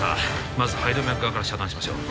まず肺動脈側から遮断しましょう